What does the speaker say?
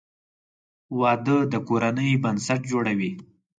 • واده د کورنۍ بنسټ جوړوي.